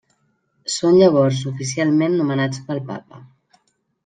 Són llavors oficialment nomenats pel Papa.